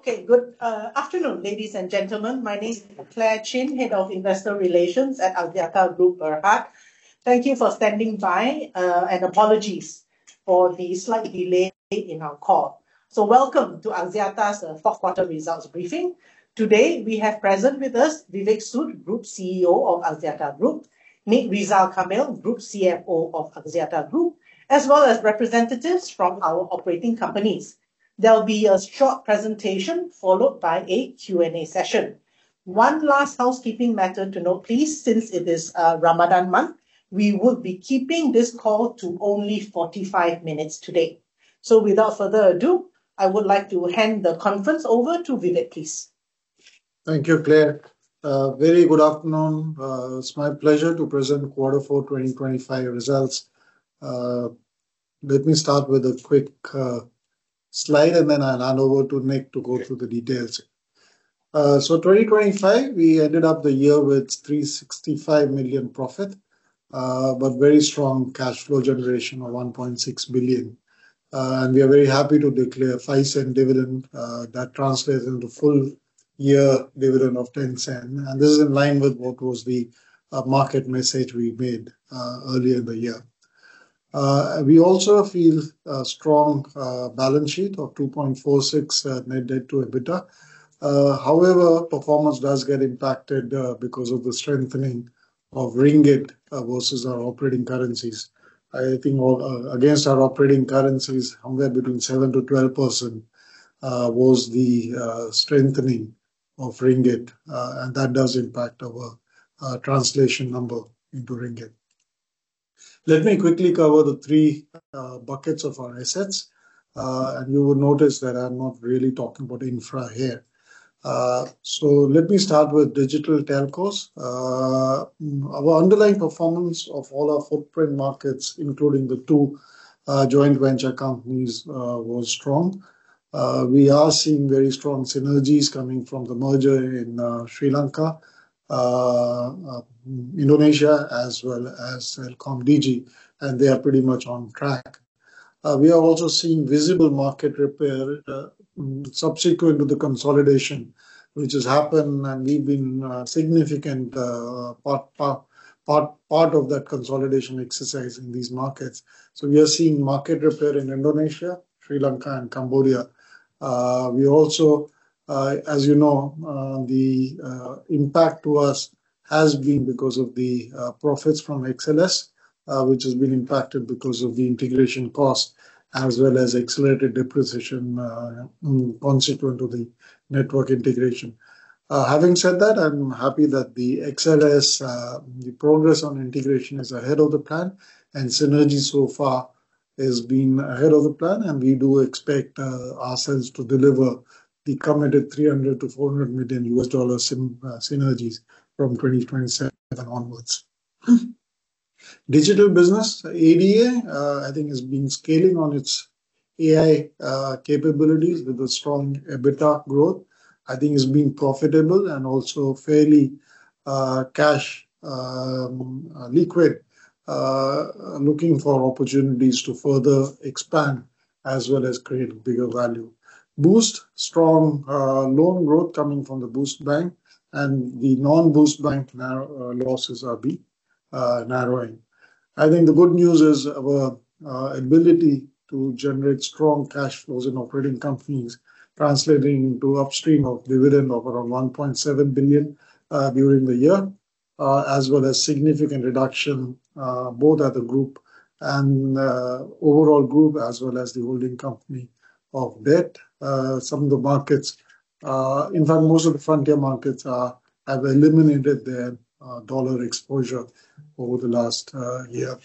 Okay. Good afternoon, ladies and gentlemen. My name is Clare Chin, Head of Investor Relations at Axiata Group Berhad. Thank you for standing by, and apologies for the slight delay in our call. Welcome to Axiata's fourth quarter results briefing. Today, we have present with us Vivek Sood, Group CEO of Axiata Group; Nik Rizal Kamil, Group CFO of Axiata Group; as well as representatives from our operating companies. There'll be a short presentation followed by a Q&A session. One last housekeeping matter to note, please, since it is Ramadan month, we would be keeping this call to only 45 minutes today. Without further ado, I would like to hand the conference over to Vivek, please. Thank you, Clare. Very good afternoon. It's my pleasure to present Q4 2025 results. Let me start with a quick slide, and then I'll hand over to Nik to go through the details. 2025, we ended up the year with 365 million profit, but very strong cash flow generation of 1.6 billion. We are very happy to declare 0.05 dividend, that translates into full year dividend of 0.10, and this is in line with what was the market message we made earlier in the year. We also feel a strong balance sheet of 2.46 net debt to EBITDA. However, performance does get impacted because of the strengthening of ringgit versus our operating currencies. I think all against our operating currencies, somewhere between 7%-12% was the strengthening of ringgit, and that does impact our translation number into ringgit. Let me quickly cover the three buckets of our assets. You will notice that I'm not really talking about infra here. Let me start with digital telcos. Our underlying performance of all our footprint markets, including the two joint venture companies, was strong. We are seeing very strong synergies coming from the merger in Sri Lanka, exploring Boost, strong loan growth coming from the Boost Bank and the non-Boost Bank now, losses are narrowing. I think the good news is our ability to generate strong cash flows in operating companies translating into upstream of dividend of around 1.7 billion during the year, as well as significant reduction both at the group and overall group as well as the holding company of debt. Some of the markets, in fact, most of the frontier markets have eliminated their dollar exposure over the last year.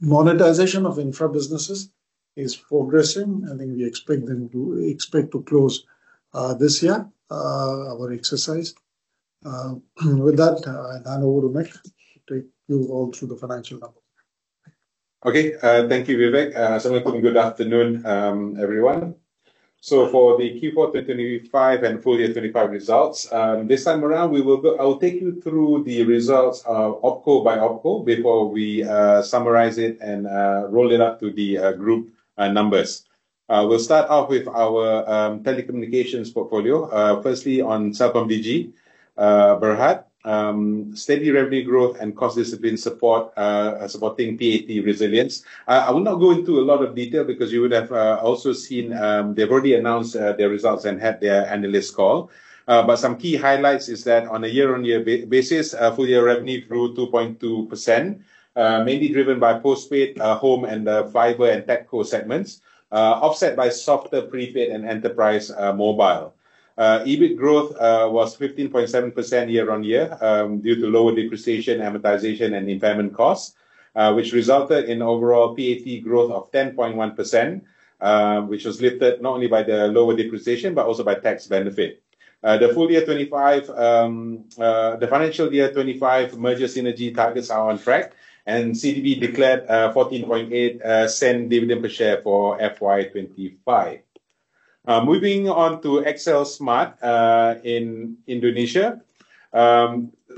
Monetization of infra businesses is progressing. I think we expect to close this year our exercise. With that, I'll hand over to Nik to take you all through the financial numbers. Okay. Thank you, Vivek. Good afternoon, everyone.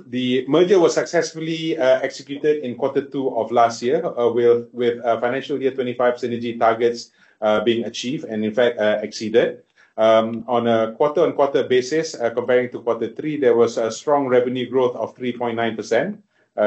The merger was successfully executed in quarter two of last year, with financial year 2025 synergy targets being achieved and in fact, exceeded. On a quarter-on-quarter basis, comparing to quarter three, there was a strong revenue growth of 3.9%,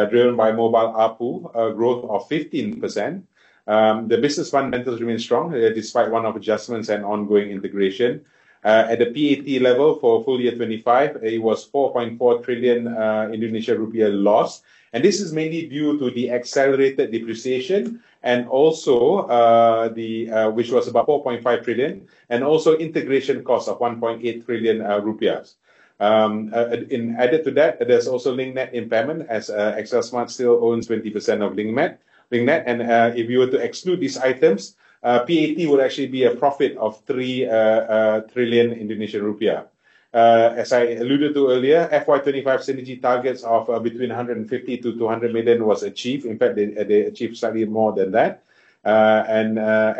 driven by mobile ARPU growth of 15%. The business fundamentals remain strong, despite one-off adjustments and ongoing integration. At the PAT level for full year 2025, it was 4.4 trillion rupiah loss, and this is mainly due to the accelerated depreciation and also, which was about 4.5 trillion, and also integration costs of 1.8 trillion rupiah. Added to that, there's also LinkNet impairment as XL Smart still owns 20% of LinkNet. If you were to exclude these items, PAT would actually be a profit of 3 trillion Indonesian rupiah. As I alluded to earlier, FY 2025 synergy targets of between 150-200 million was achieved. In fact, they achieved slightly more than that.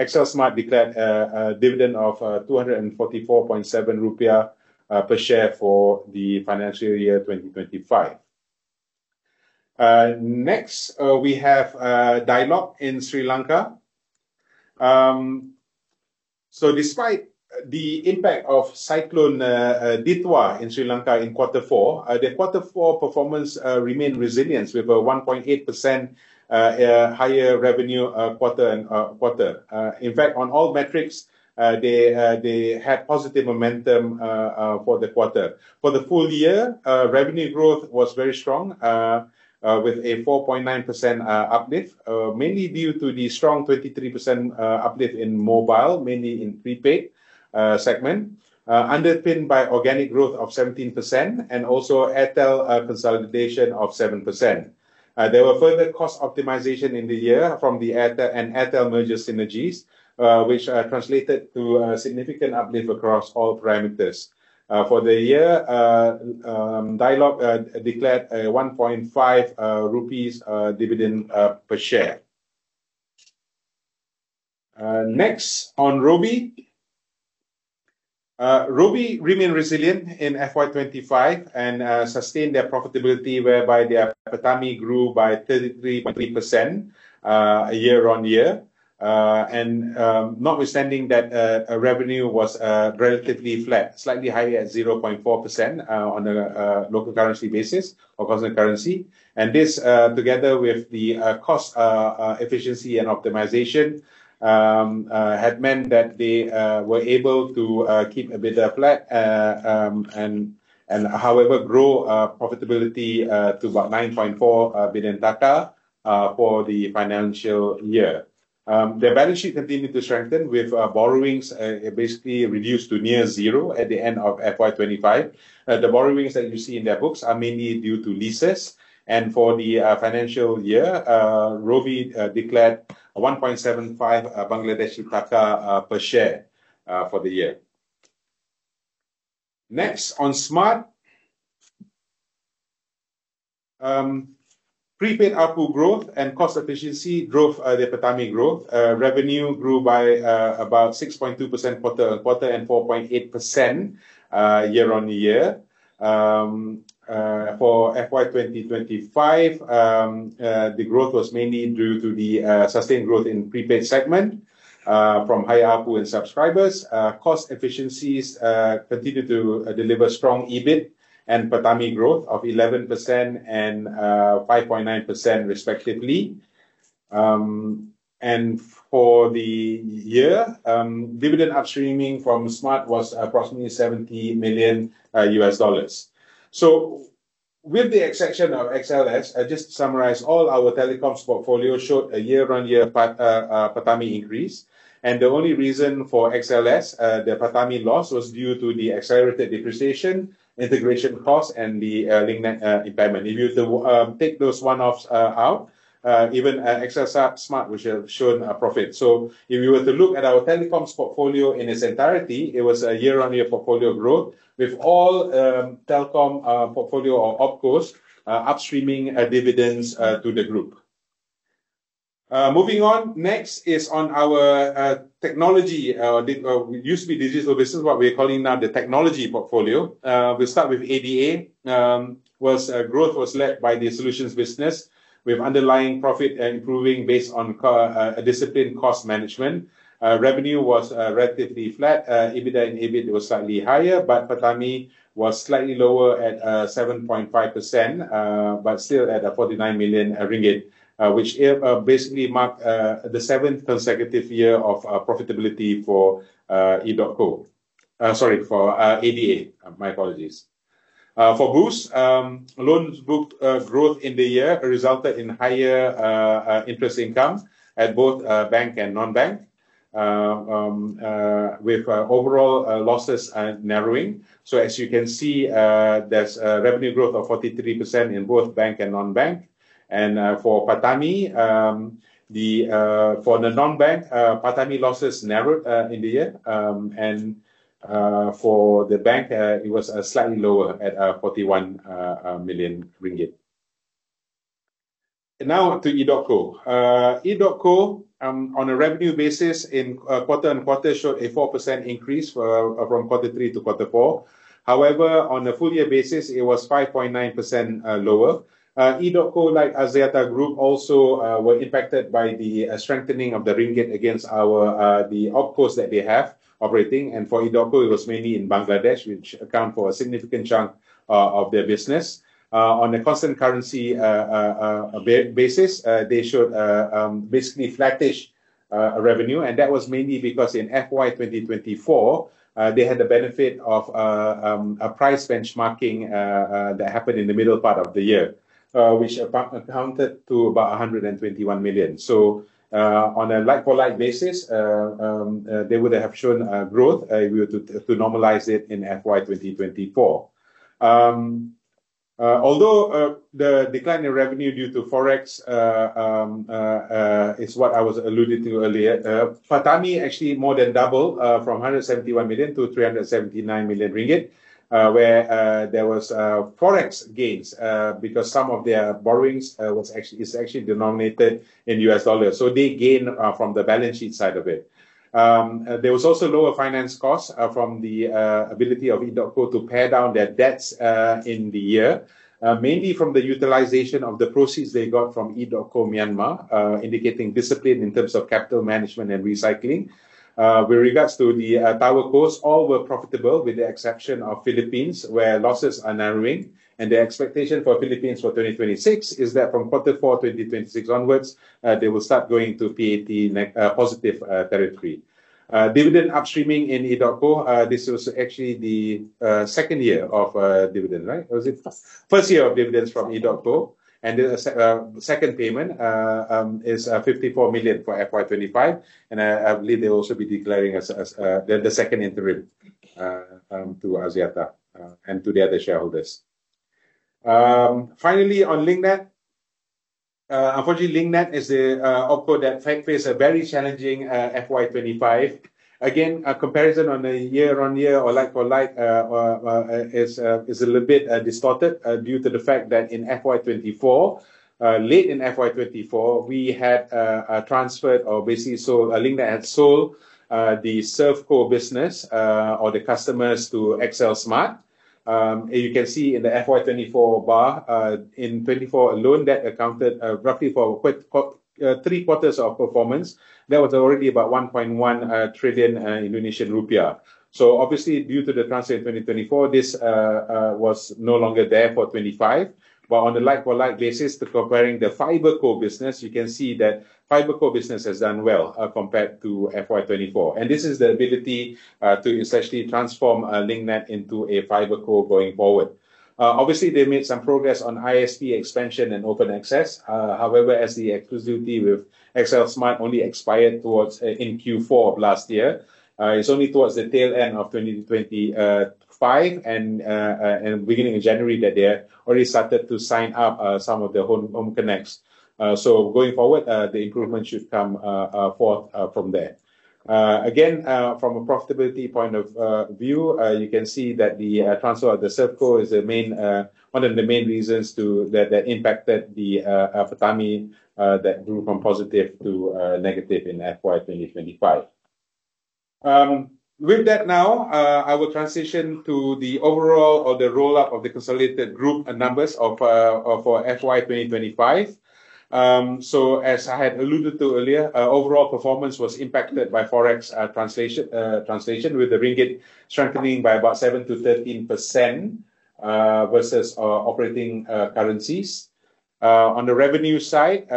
XL Smart declared a dividend of 244.7 rupiah per share for the financial year 2025. Next, we have Dialog in Sri Lanka. Despite the impact of Cyclone Sitrang in Sri Lanka in quarter four, their quarter four performance remained resilient with a 1.8% higher revenue quarter-on-quarter. In fact, on all metrics, they had positive momentum for the quarter. For the full year, revenue growth was very strong, with a 4.9% uplift, mainly due to the strong 23% uplift in mobile, mainly in prepaid segment, underpinned by organic growth of 17% and also Airtel consolidation of 7%. There were further cost optimization in the year from the Airtel and Airtel merger synergies, which translated to a significant uplift across all parameters. For the year, Dialog declared a LKR 1.5 dividend per share. Next on Robi. Robi remained resilient in FY 25 and sustained their profitability whereby their PATAMI grew by 33.3% year-on-year. Notwithstanding that, revenue was relatively flat, slightly higher at 0.4% on a local currency basis or constant currency. This together with the cost efficiency and optimization had meant that they were able to keep a bit of flat and however, grow profitability to about BDT 9.4 billion for the financial year. Their balance sheet continued to strengthen with borrowings basically reduced to near zero at the end of FY 2025. The borrowings that you see in their books are mainly due to leases. For the financial year, Robi declared BDT 1.75 per share for the year. Next on Smart. Prepaid ARPU growth and cost efficiency drove their PATAMI growth. Revenue grew by about 6.2% quarter-on-quarter and 4.8% year-on-year. For FY 2025, the growth was mainly due to the sustained growth in prepaid segment from high ARPU and subscribers. Cost efficiencies continued to deliver strong EBIT and PATAMI growth of 11% and 5.9% respectively. For the year, dividend upstreaming from Smart was approximately $70 million. With the exception of XL Axiata, I just summarized all our telecoms portfolio showed a year-on-year PATAMI increase. The only reason for XL Axiata, their PATAMI loss was due to the accelerated depreciation, integration costs and the LinkNet impairment. If you were to take those one-offs out, even XL Smart would have shown a profit. If you were to look at our telecoms portfolio in its entirety, it was a year-on-year portfolio growth with all telecom portfolio of OpCos upstreaming dividends to the group. Moving on. Next is on our technology. We used to be digital business, what we're calling now the technology portfolio. We'll start with ADA. Growth was led by the solutions business with underlying profit improving based on disciplined cost management. Revenue was relatively flat. EBITDA and EBIT was slightly higher, but PATAMI was slightly lower at 7.5%, but still at 49 million ringgit, which basically marked the seventh consecutive year of profitability for ADA. My apologies. For Boost, loans booked growth in the year resulted in higher interest income at both bank and non-bank, with overall losses narrowing. As you can see, there's a revenue growth of 43% in both bank and non-bank. For PATAMI, the for the non-bank PATAMI losses narrowed in the year. For the bank, it was slightly lower at 41 million ringgit. Now to edotco. edotco, on a revenue basis in quarter and quarter showed a 4% increase from Q3 to Q4. However, on a full year basis, it was 5.9% lower. edotco, like Axiata Group also, were impacted by the strengthening of the ringgit against our the OpCos that they have operating. For edotco, it was mainly in Bangladesh, which account for a significant chunk of their business. On a constant currency basis, they showed basically flattish revenue, and that was mainly because in FY 2024, they had the benefit of a price benchmarking that happened in the middle part of the year, which accounted to about 121 million. So, on a like-for-like basis, they would have shown growth if we were to normalize it in FY 2024. Although the decline in revenue due to Forex is what I was alluding to earlier, PATAMI actually more than doubled from 171 million to 379 million ringgit, where there were Forex gains because some of their borrowings are actually denominated in US dollars. They gain from the balance sheet side of it. There was also lower finance costs from the ability of edotco to pay down their debts in the year, mainly from the utilization of the proceeds they got from edotco Myanmar, indicating discipline in terms of capital management and recycling. With regards to the tower costs, all were profitable, with the exception of Philippines, where losses are narrowing, and the expectation for Philippines for 2026 is that from Q4 2026 onwards, they will start going to PAT positive territory. Dividend upstreaming in edotco, this was actually the second year of dividend, right? Or was it- First. First year of dividends from edotco, and the second payment is 54 million for FY 2025, and I believe they'll also be declaring as the second interim- Okay ...to Axiata and to the other shareholders. Finally on LinkNet. Unfortunately, LinkNet is a OpCo that in fact face a very challenging FY 2025. Again, a comparison on a year-on-year or like-for-like is a little bit distorted due to the fact that in FY 2024, late in FY 2024, we had transferred or basically sold... LinkNet had sold the ServeCo business or the customers to XL. You can see in the FY 2024 bar, in 2024 alone, that accounted roughly for three-quarters of performance. That was already about 1.1 trillion Indonesian rupiah. Obviously, due to the transfer in 2024, this was no longer there for 2025. like basis, comparing the FibreCo business, you can see that FibreCo business has done well compared to FY 2024. And this is the ability to essentially transform Link Net into a FibreCo going forward. Obviously, they made some progress on ISP expansion and open access. However, as the exclusivity with XL Smart only expired in Q4 of last year, it's only towards the tail end of 2025 and beginning of January that they had already started to sign up some of their home connects. So going forward, the improvement should come forth from there. Again, from a profitability point of view, you can see that the transfer of the ServeCo is one of the main reasons to that impacted the PATAMI that grew from positive to negative in FY 2025. With that now, I will transition to the overall or the roll-up of the consolidated group numbers of FY 2025. As I had alluded to earlier, overall performance was impacted by Forex translation, with the ringgit strengthening by about 7%-13% versus operating currencies. On the revenue side,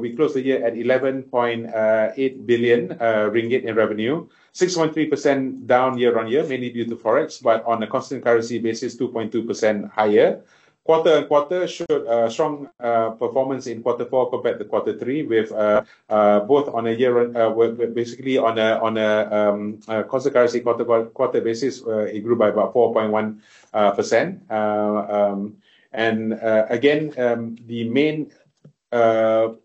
we closed the year at 11.8 billion ringgit in revenue, 6.3% down year-on-year, mainly due to Forex, but on a constant currency basis, 2.2% higher. Quarter-on-quarter showed strong performance in quarter four compared to quarter three, with both on a year and with basically on a constant currency quarter-by-quarter basis, it grew by about 4.1%. Again, the main the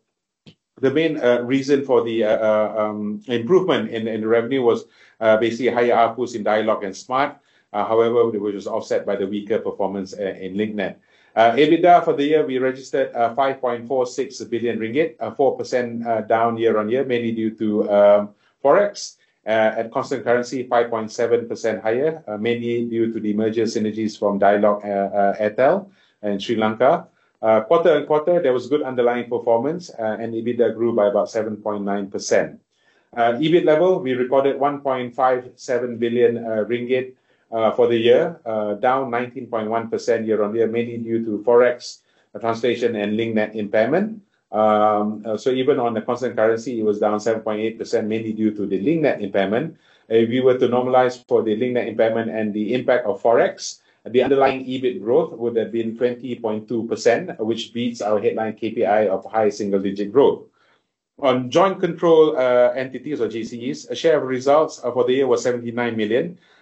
main reason for the improvement in revenue was basically higher ARPUs in Dialog and Smart. However, it was just offset by the weaker performance in LinkNet. EBITDA for the year, we registered 5.46 billion ringgit, 4% down year-on-year, mainly due to Forex. At constant currency, 5.7% higher, mainly due to the merger synergies from Dialog, Airtel and Sri Lanka. Uh, quarter on quarter, there was good underlying performance, uh, and EBITDA grew by about seven point nine percent. Uh, EBIT level, we recorded one point five seven billion, uh, ringgit, uh, for the year, uh, down nineteen point one percent year-on-year, mainly due to Forex translation and LinkNet impairment. Um, uh, so even on the constant currency, it was down seven point eight percent, mainly due to the LinkNet impairment. Uh, if we were to normalize for the LinkNet impairment and the impact of Forex, the underlying EBIT growth would have been twenty point two percent, which beats our headline KPI of high single-digit growth. On joint control entities or JCEs, share of results for the year was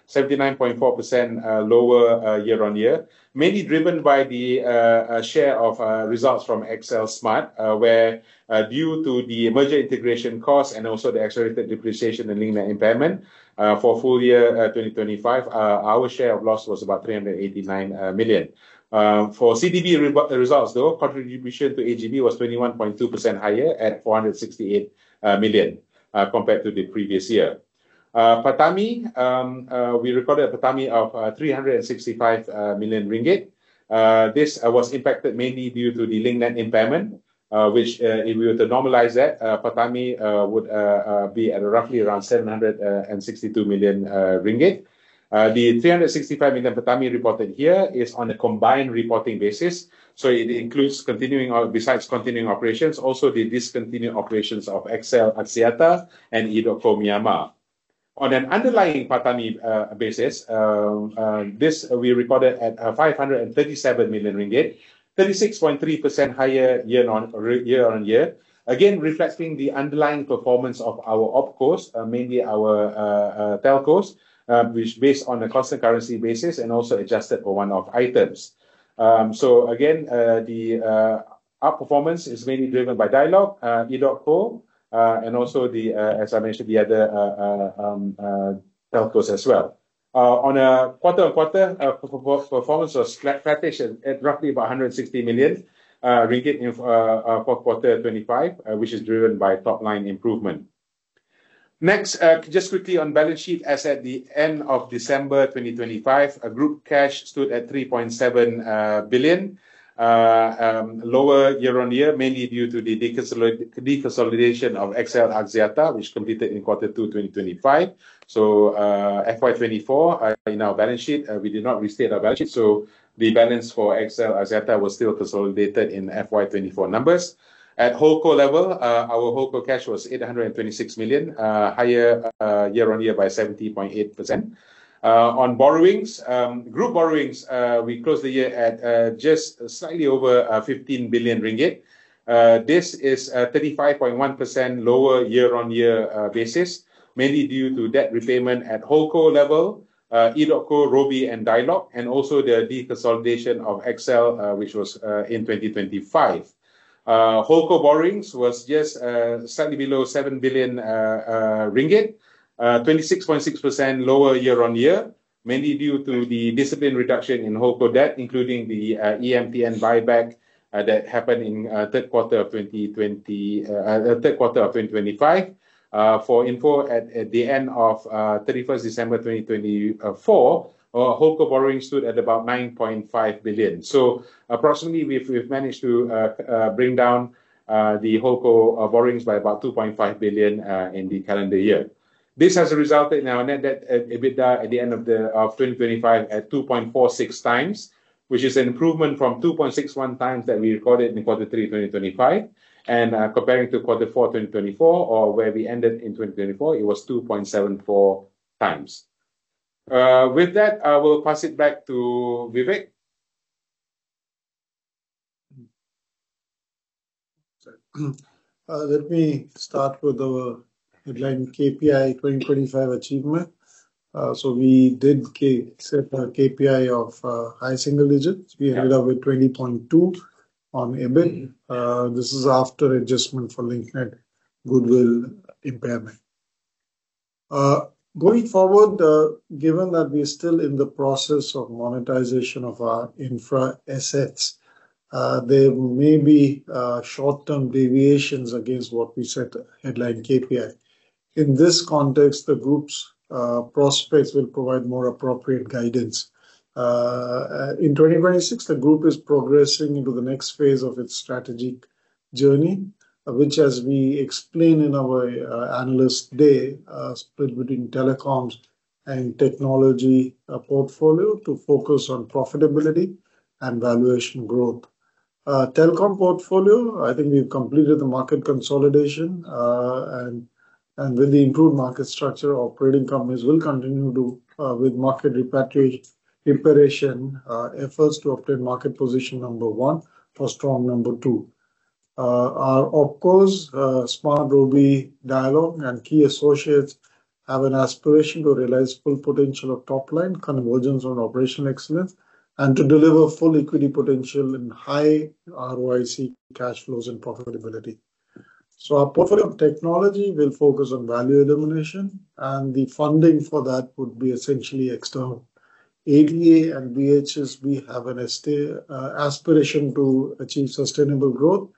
79.4% lower year-on-year, mainly driven by the share of results from Smart Axiata, where due to the merger integration costs and also the accelerated depreciation and LinkNet impairment, for full year 2025, our share of loss was about 389 million. For CDB results though, contribution to AGB was 21.2% higher at 468 million. Compared to the previous year. PATAMI, we recorded a PATAMI of 365 million ringgit. This was impacted mainly due to the LinkNet impairment, which if we were to normalize that PATAMI, would be at roughly around 762 million ringgit. The 365 million PATAMI reported here is on a combined reporting basis, so it includes besides continuing operations, also the discontinued operations of XL Axiata and edotco Myanmar. On an underlying PATAMI basis, this we recorded at 537 million ringgit, 36.3% higher year-on-year. Again, reflecting the underlying performance of our OpCos, mainly our telcos, which based on a constant currency basis and also adjusted for one-off items. Again, the outperformance is mainly driven by Dialog, edotco, and also, as I mentioned, the other telcos as well. On a quarter-on-quarter, performance was flatish at roughly about 160 million ringgit in fourth quarter 25, which is driven by top-line improvement. Next, just quickly on balance sheet. As at the end of December 2025, group cash stood at 3.7 billion. Lower year-on-year, mainly due to the deconsolidation of XL Axiata, which completed in quarter two 2025. FY 2024, in our balance sheet, we did not restate our balance sheet, so the balance for XL Axiata was still consolidated in FY 2024 numbers. At Holdco level, our Holdco cash was 826 million higher year-on-year by 70.8%. On borrowings, group borrowings, we closed the year at just slightly over 15 billion ringgit. This is 35.1% lower year-on-year basis, mainly due to debt repayment at Holdco level, edotco, Robi, and Dialog, and also the deconsolidation of XL, which was in 2025. Holdco borrowings was just slightly below MYR 7 billion, 26.6% lower year-on-year, mainly due to the disciplined reduction in Holdco debt, including the EMTN buyback that happened in third quarter of 2025. For info, at the end of 31st December 2024, Holdco borrowing stood at about 9.5 billion. Approximately, we've managed to bring down the Holdco borrowings by about 2.5 billion in the calendar year. This has resulted in our net debt EBITDA at the end of 2025 at 2.46 times, which is an improvement from 2.61 times that we recorded in Q3 2025. Comparing to Q4 2024 or where we ended in 2024, it was 2.74 times. With that, I will pass it back to Vivek. Let me start with the headline KPI 2025 achievement. We did set a KPI of high single digits. We ended up with 20.2 on EBIT. This is after adjustment for Link Net goodwill impairment. Going forward, given that we're still in the process of monetization of our infra assets, there may be short-term deviations against what we set headline KPI. In this context, the Group's prospects will provide more appropriate guidance. In 2026, the Group is progressing into the next phase of its strategic journey, which as we explained in our Analyst Day, split between telecoms and technology portfolio to focus on profitability and valuation growth. Telecom portfolio, I think we've completed the market consolidation, and with the improved market structure, operating companies will continue to with market repatriation efforts to obtain market position number one or strong number two. Our OpCos, Smart, Robi, Dialog, and key associates have an aspiration to realize full potential of top line convergence on operational excellence and to deliver full equity potential in high ROIC cash flows and profitability. Our portfolio of technology will focus on waste elimination, and the funding for that would be essentially external. ADA and Boost Holdings have an aspiration to achieve sustainable growth,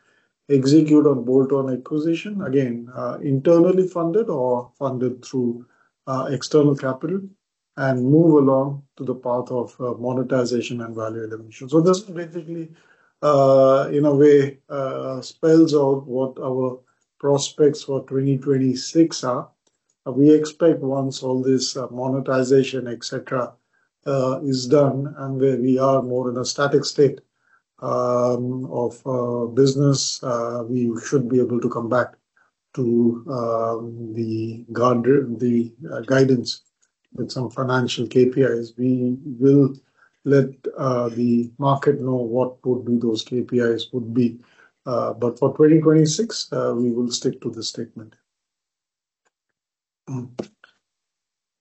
execute on bolt-on acquisition, again, internally funded or funded through external capital, and move along to the path of monetization and waste elimination. This basically, in a way, spells out what our prospects for 2026 are. We expect once all this monetization, et cetera, is done and where we are more in a static state of business, we should be able to come back to the guidance with some financial KPIs. We will let the market know what would be those KPIs would be. For 2026, we will stick to the statement.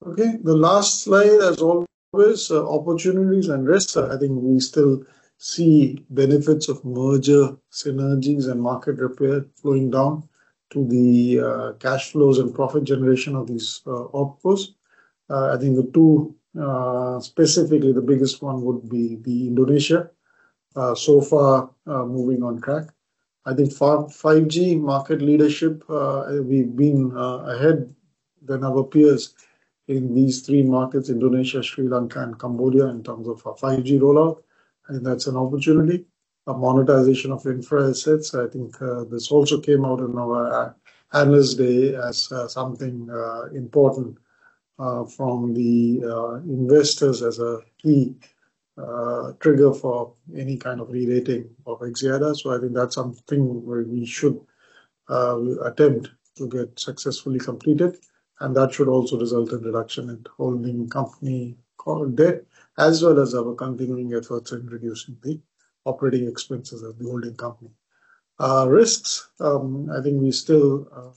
Okay. The last slide, as always, opportunities and risks. I think we still see benefits of merger synergies and market repair flowing down to the cash flows and profit generation of these OpCos. I think the two, specifically the biggest one would be so far, moving on track. I think 5G market leadership, we've been ahead than our peers in these three markets, Indonesia, Sri Lanka and Cambodia, in terms of our 5G rollout, and that's an opportunity. Monetization of infra assets, I think, this also came out in our Analyst Day as something important from the investors as a key trigger for any kind of relating of Axiata. I think that's something where we should attempt to get successfully completed, and that should also result in reduction in holding company core debt, as well as our continuing efforts in reducing the operating expenses of the holding company. Risks, I think we're still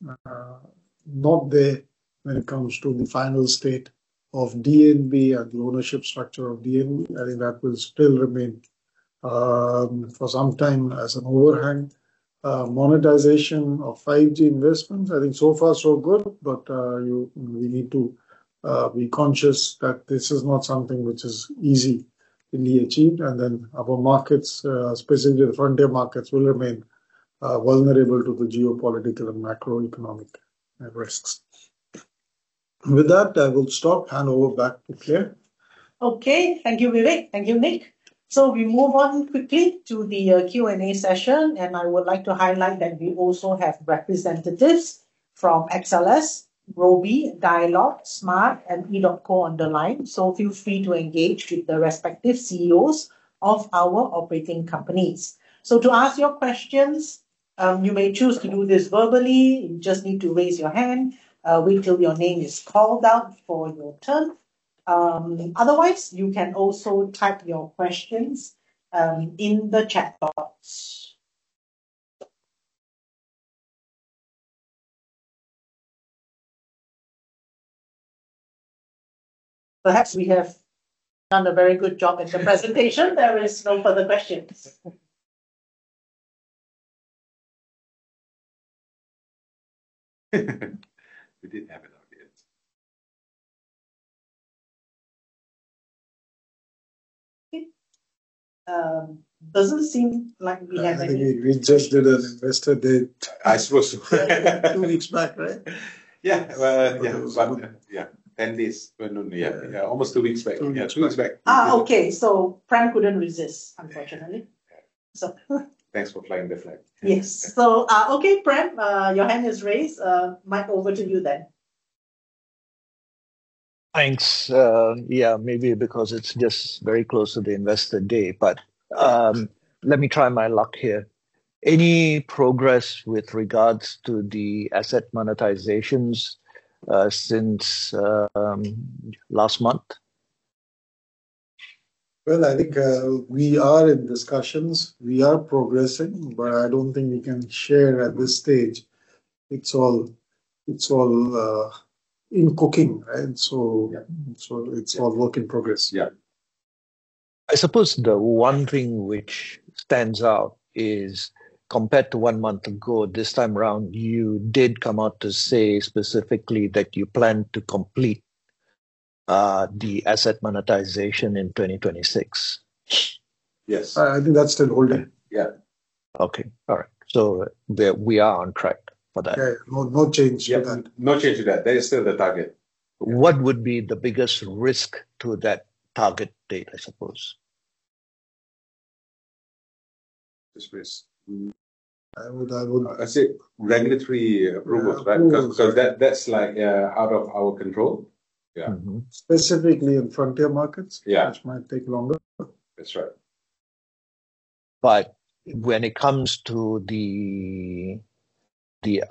not there when it comes to the final state of DNB and the ownership structure of DNB. I think that will still remain, for some time as an overhang. Monetization of 5G investments, I think so far so good, but we need to be conscious that this is not something which is easy to be achieved. Our markets, especially the frontier markets, will remain vulnerable to the geopolitical and macroeconomic risks. With that, I will stop. Hand over back to Clare. Okay. Thank you, Vivek. Thank you, Nick. We move on quickly to the Q&A session, and I would like to highlight that we also have representatives from XL, Robi, Dialog, Smart and edotco on the line. Feel free to engage with the respective CEOs of our operating companies. To ask your questions, you may choose to do this verbally. You just need to raise your hand, wait till your name is called out for your turn. Otherwise, you can also type your questions in the chat box. Perhaps we have done a very good job in the presentation. There is no further questions. We did have an audience. It doesn't seem like we have any questions. I think we just did an investor date. I suppose so. Two weeks back, right? Yeah. Well, yeah. Yeah, 10 days. When. Yeah. Yeah, almost two weeks back. Yeah, two weeks back. Okay. Prem couldn't resist, unfortunately. Yeah. So. Thanks for flying the flag. Yes. Okay, Prem, your hand is raised. Mic over to you then. Thanks. Yeah, maybe because it's just very close to the Investor Day. Let me try my luck here. Any progress with regards to the asset monetizations since last month? Well, I think, we are in discussions. We are progressing, but I don't think we can share at this stage. It's all in cooking, right? Yeah. It's all work in progress. Yeah. I suppose the one thing which stands out is, compared to one month ago, this time round you did come out to say specifically that you plan to complete the asset monetization in 2026. Yes. I think that's still holding. Yeah. Okay. All right. We are on track for that. Yeah. No, no change to that. Yes. No change to that. That is still the target. What would be the biggest risk to that target date, I suppose? This risk. I would I say regulatory approvals. Right? Yes. Cause that's like out of our control. Yeah. Mm-hmm. Specifically in frontier markets. Yeah ...which might take longer. That's right. When it comes to the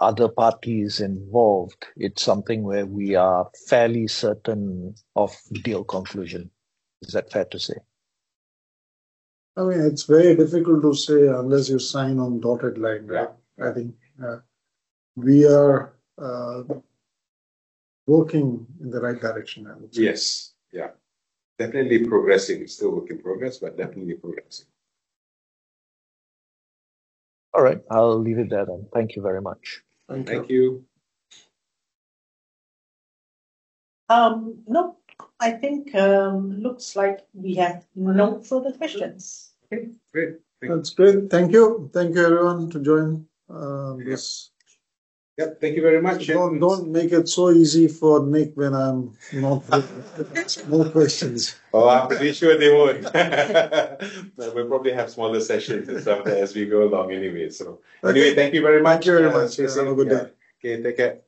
other parties involved, it's something where we are fairly certain of deal conclusion. Is that fair to say? I mean, it's very difficult to say unless you sign on dotted line. Yeah. I think we are working in the right direction, I would say. Yes. Yeah. Definitely progressing. Still work in progress, but definitely progressing. All right. I'll leave it there then. Thank you very much. Thank you. Thank you. Look, I think, looks like we have no further questions. Okay, great. Thank you. That's great. Thank you. Thank you everyone to join this. Yep, thank you very much. Don't make it so easy for Nick when I'm not here. No questions. Oh, I'm pretty sure they won't. We'll probably have smaller sessions and stuff as we go along anyway, so. Okay. Thank you very much. Thank you very much. Yes, have a good day. Okay, take care.